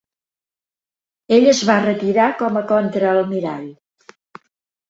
Ell es va retirar com a contraalmirall.